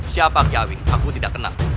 siapa kiawi aku tidak kenal